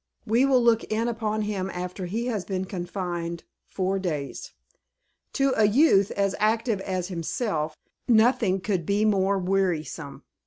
We will look in upon him after he has been confined four days. To a youth as active as himself, nothing could be more wearisome.